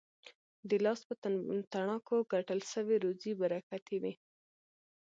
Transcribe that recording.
د لاس په تڼاکو ګټل سوې روزي برکتي وي.